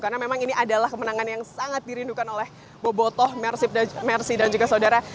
karena memang ini adalah kemenangan yang sangat dirindukan oleh bobo toh merci dan juga saudara